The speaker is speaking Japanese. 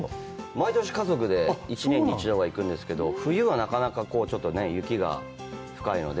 毎年家族で１年に１度は行くんですけど冬はなかなか雪が深いので。